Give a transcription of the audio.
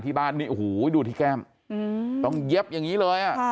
บ้านนี้โอ้โหดูที่แก้มต้องเย็บอย่างนี้เลย